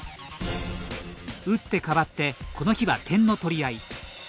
打って変わってこの日は点の取り合い。